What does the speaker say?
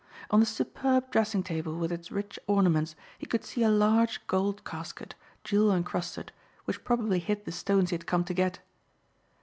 On the superb dressing table with its rich ornaments he could see a large gold casket, jewel encrusted, which probably hid the stones he had come to get.